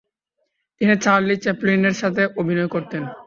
তিনি চার্লি চ্যাপলিনের সাথে অভিনয় করতেন।